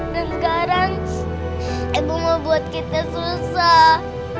dan sekarang ibu mau buat kita susah